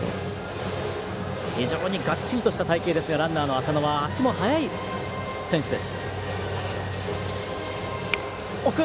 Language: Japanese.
非常にがっちりとした体形ですがランナーの浅野は足も速い選手です。